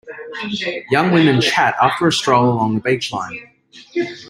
Young women chat after a stroll along the beach line.